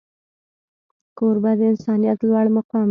کوربه د انسانیت لوړ مقام لري.